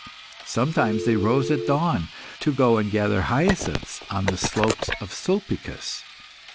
Sometimes they rose at dawn, to go and gather hyacinths on the slopes of Sulpicus.